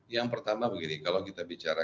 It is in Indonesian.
yang pertama begini kalau kita bicara